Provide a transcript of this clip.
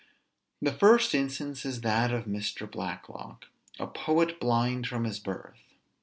The first instance is that of Mr. Blacklock, a poet blind from his birth.